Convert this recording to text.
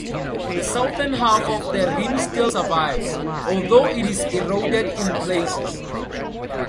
The southern half of the rim still survives, although it is eroded in places.